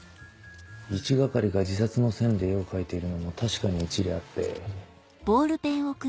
一係が自殺の線で絵を描いているのも確かに一理あって。